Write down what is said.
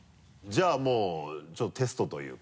じゃあもうちょっとテストというか。